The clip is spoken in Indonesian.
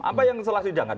apa yang salah sidangkan